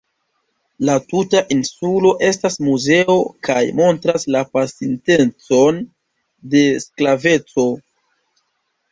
La tuta insulo estas muzeo kaj montras la pasintecon de sklaveco.